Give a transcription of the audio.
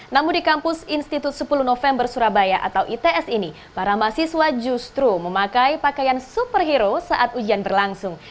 namun di kampus institut sepuluh november surabaya atau its ini para mahasiswa justru memakai pakaian superhero saat ujian berlangsung